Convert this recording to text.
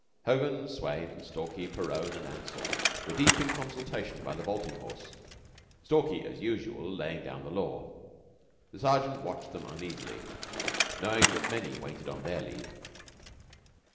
Hogan, Swayne, Stalky, Perowne, and Ansell were deep in consultation by the vaulting horse, Stalky as usual laying down the law. The Sergeant watched them uneasily, knowing that many waited on their lead.